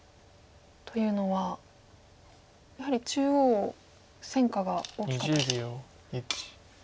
というのはやはり中央戦果が大きかったですか。